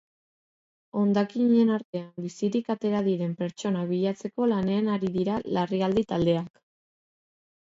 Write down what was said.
Hondakinen artean bizirik atera diren pertsonak bilatzeko lanean ari dira larrialdi taldeak.